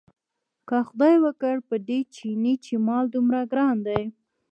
که خدای وکړ په دې چیني چې مال دومره ګران دی.